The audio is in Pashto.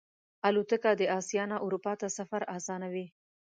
الوتکه د آسیا نه اروپا ته سفر آسانوي.